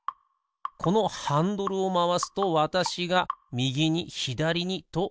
このハンドルをまわすとわたしがみぎにひだりにとうごく箱。